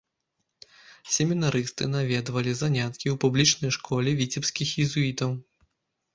Семінарысты наведвалі заняткі ў публічнай школе віцебскіх езуітаў.